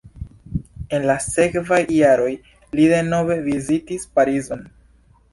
En la sekvaj jaroj li denove vizitis Parizon.